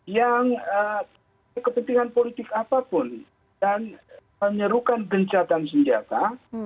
yang kepentingan politik apapun dan menyerukan gencatan senjata